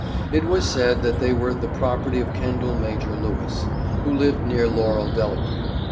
It was said, that they were the property of Kendall Major Lewis, who lived near Laurel, Delaware.